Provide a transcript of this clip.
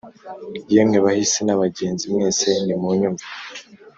Yemwe, bahisi n’abagenzi mwese, nimunyumve